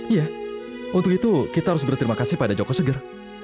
iya untuk itu kita harus berterima kasih pada joko seger